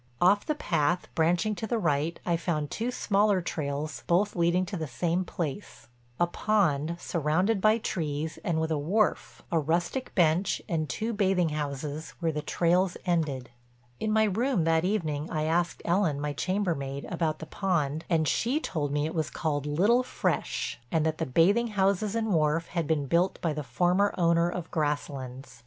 Off the path, branching to the right, I found two smaller trails both leading to the same place—a pond, surrounded by trees, and with a wharf, a rustic bench, and two bathing houses, where the trails ended. In my room that evening I asked Ellen, my chambermaid, about the pond and she told me it was called Little Fresh and that the bathing houses and wharf had been built by the former owner of Grasslands.